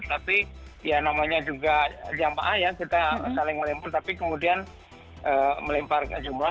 tapi ya namanya juga jamaah ya kita saling melempar tapi kemudian melempar jumroh